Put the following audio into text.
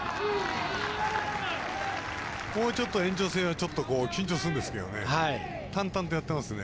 もうちょっと延長戦は緊張するんですけど淡々とやってますね